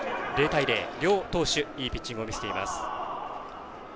０対０、両投手いいピッチング見せています。